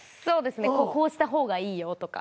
「こうした方がいいよ」とか。